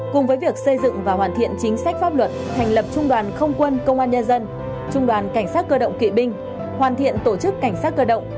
cùng với việc xây dựng và hoàn thiện chính sách pháp luật thành lập trung đoàn không quân công an nhân dân trung đoàn cảnh sát cơ động kỵ binh hoàn thiện tổ chức cảnh sát cơ động